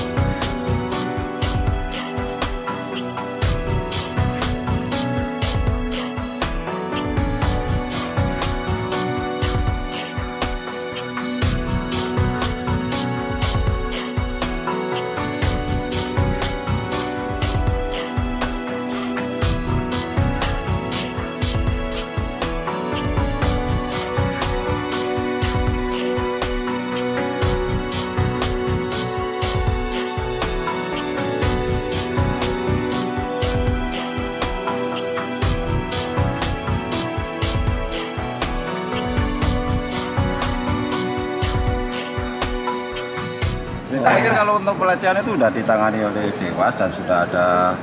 saya pikir kalau untuk belajar itu sudah ditangani oleh dewas dan sudah ada